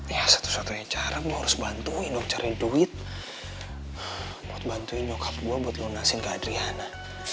ya satu satunya cara gue harus bantuin gue cari duit buat bantuin nyokap gue buat lunasin ke adriana